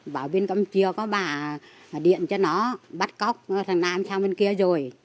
bảo bên campuchia có bà điện cho nó bắt cóc nam sang bên kia rồi